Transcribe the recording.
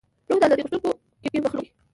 روح د ازادۍ غوښتونکی مخلوق دی.